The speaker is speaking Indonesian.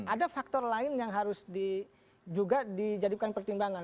ada faktor lain yang harus juga dijadikan pertimbangan